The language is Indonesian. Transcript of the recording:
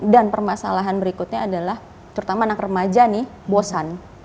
dan permasalahan berikutnya adalah terutama anak remaja nih bosan